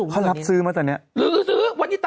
หรือว่าจะไม่ขึ้นอีก